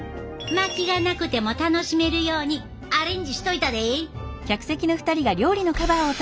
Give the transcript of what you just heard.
薪がなくても楽しめるようにアレンジしといたで！